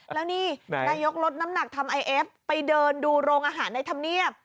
แล้วนี่นายกลดน้ำหนักทำไอเอฟไปเดินดูโรงอาหารในธรรมเนียบ